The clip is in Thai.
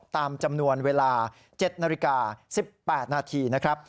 ตามจำนวนเวลา๗นาฬิกา๑๘นาทีนะครับ